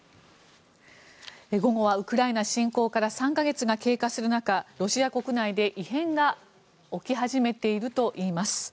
午後はウクライナ侵攻から３か月が経過する中ロシア国内で異変が起き始めているといいます。